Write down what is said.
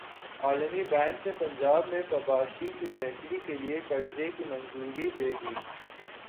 عالمی بینک نے پنجاب میں بپاشی کی بہتری کیلئے قرضے کی منظوری دے دی